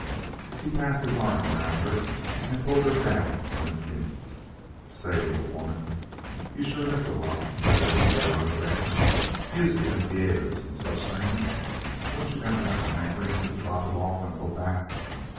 He passed his arm around her and pulled her down on his knees. "Say, little woman, you sure miss a lot by living here on the ranch music, and theatres, and such things. Don't you ever have a hankering to drop it all and go back?"